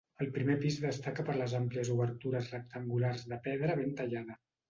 El primer pis destaca per les àmplies obertures rectangulars de pedra ben tallada.